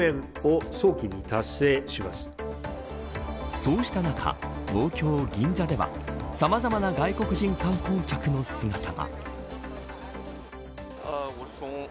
そうした中、東京、銀座ではさまざまな外国人観光客の姿が。